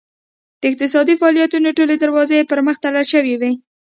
د اقتصادي فعالیتونو ټولې دروازې یې پرمخ تړل شوې وې.